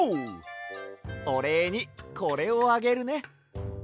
おれいにこれをあげるね。